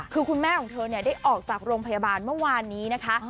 คือคุณแม่ของเธอได้ออกจากโรงพยาบาลเมื่อวานนี้นะคะ